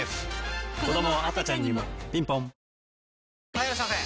・はいいらっしゃいませ！